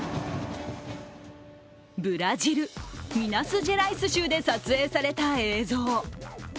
ブラジル・ミナスジェライス州で撮影された映像。